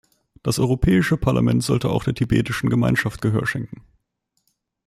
Das Europäische Parlament sollte auch der tibetischen Gemeinschaft Gehör schenken.